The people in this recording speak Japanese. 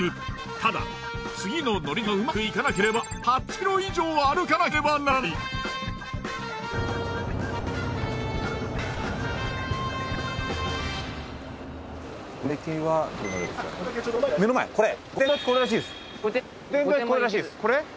ただ次の乗り継ぎがうまくいかなければ８ｋｍ以上歩かなければならない。